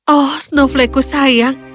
oh snowflakeku sayang